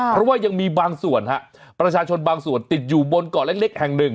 เพราะว่ายังมีบางส่วนฮะประชาชนบางส่วนติดอยู่บนเกาะเล็กแห่งหนึ่ง